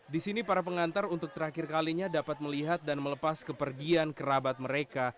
di sini para pengantar untuk terakhir kalinya dapat melihat dan melepas kepergian kerabat mereka